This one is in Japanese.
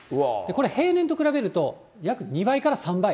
これ、平年と比べると約２倍から３倍。